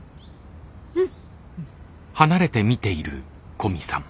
うん。